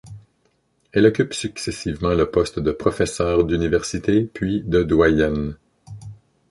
Elle occupe successivement le poste de professeure d'université puis de doyenne.